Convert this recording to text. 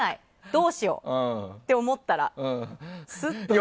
どうしようって思ったらすっと。